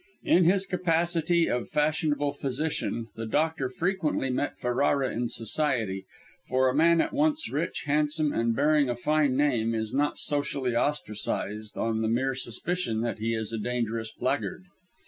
In his capacity of fashionable physician, the doctor frequently met Ferrara in society, for a man at once rich, handsome, and bearing a fine name, is not socially ostracised on the mere suspicion that he is a dangerous blackguard.